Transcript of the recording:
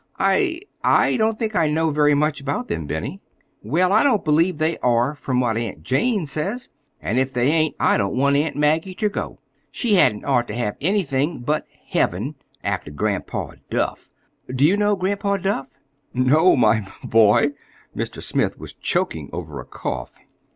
"I—I don't think I know very much about them, Benny." "Well, I don't believe they are, from what Aunt Jane says. And if they ain't, I don't want Aunt Maggie ter go. She hadn't ought ter have anythin'—but Heaven—after Grandpa Duff. Do you know Grandpa Duff?" "No, my b boy." Mr. Smith was choking over a cough.